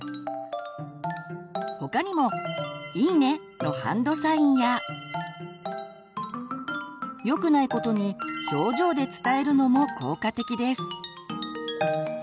他にも「イイね！」のハンドサインや。よくないことに表情で伝えるのも効果的です。